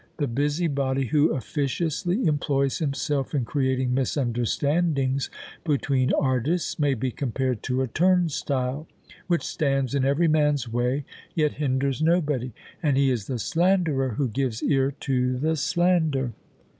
The busybody who officiously employs himself in creating misunderstandings between artists, may be compared to a turn stile, which stands in every man's way, yet hinders nobody; and he is the slanderer who gives ear to the slander."